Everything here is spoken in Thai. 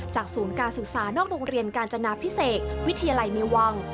ศูนย์การศึกษานอกโรงเรียนกาญจนาพิเศษวิทยาลัยในวัง